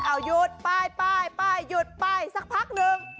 เอ้ายุดไปสักพักหนึ่ง